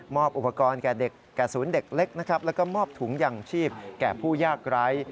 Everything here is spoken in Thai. มอบอุปกรณ์แก่ศูนย์เด็กเล็กและมอบถุงยังชีพแก่ผู้ยากร้าย